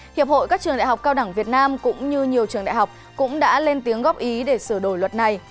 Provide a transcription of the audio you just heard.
hiệp hội các trường đại học cao đẳng việt nam cũng như nhiều trường đại học cũng đã lên tiếng góp ý để sửa đổi luật này